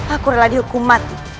aku rela dihukum mati